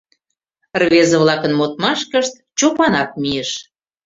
Рвезе-влакын модмашкышт Чопанат мийыш.